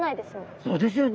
そうですよね。